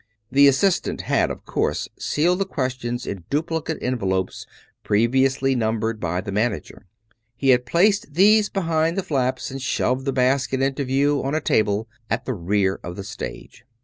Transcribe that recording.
The assistant had, of course, sealed the questions in duplicate envelopes previously numbered by the manager. He had placed these behind the flaps, and shoved the basket into view on a table at the rear of the stage.